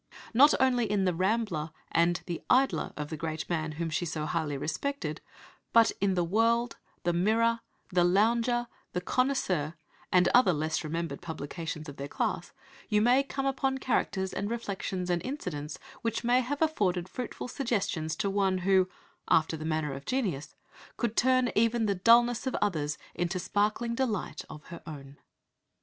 Not only in the Rambler and the Idler of the great man whom she so highly respected, but in the World, the Mirror, the Lounger, the Connoisseur, and other less remembered publications of their class, you may come upon characters and reflections and incidents which may have afforded fruitful suggestions to one who, after the manner of genius, could turn even the dulness of others into sparkling delight of her own.